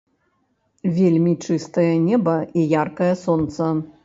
Вельмі чыстае неба і яркае сонца.